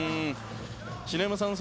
篠山さん